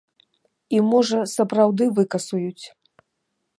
І, можа, сапраўды выкасуюць.